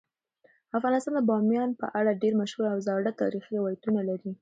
افغانستان د بامیان په اړه ډیر مشهور او زاړه تاریخی روایتونه لري.